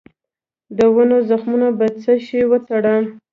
د ونو زخمونه په څه شي وتړم؟